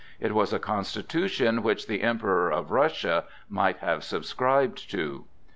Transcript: It was a constitution which the Emperor of Russia might have subscribed to.